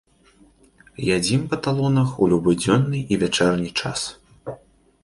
Ядзім па талонах у любы дзённы і вячэрні час.